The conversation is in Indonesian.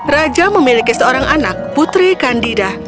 raja memiliki seorang anak putri kandida